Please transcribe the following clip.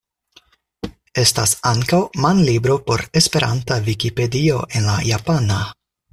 Estas ankaŭ manlibro por Esperanta Vikipedio en la japana.